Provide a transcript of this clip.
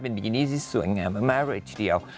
เป็นบิกินี่สีสวยอย่างนี้มาเลยทีเดียว